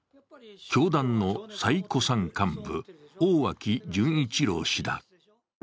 教団の最古参幹部、大脇準一郎氏だ